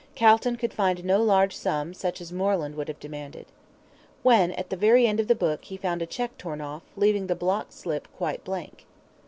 Calton could find no large sum such as Moreland would have demanded, when, at the very end of the book, he found a cheque torn off, leaving the block slip quite blank.